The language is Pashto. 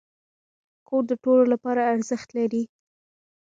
کور د ټولو لپاره ارزښت لري.